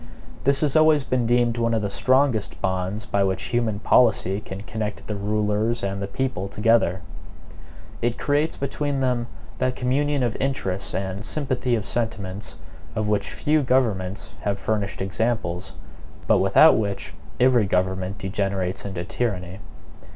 This has always been deemed one of the strongest bonds by which human policy can connect the rulers and the people together. It creates between them that communion of interests and sympathy of sentiments, of which few governments have furnished examples; but without which every government degenerates into tyranny.